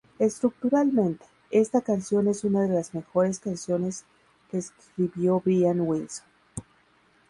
Estructuralmente, esta canción es una de las mejores canciones que escribió Brian Wilson.